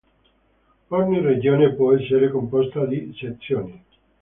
Ogni regione può essere composta di sezioni.